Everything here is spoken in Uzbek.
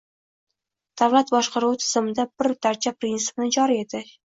davlat boshqaruvi tizimida “bir darcha” prinsipini joriy etish;